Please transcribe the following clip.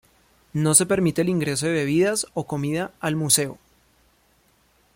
No se permite el ingreso de bebidas o comida al museo.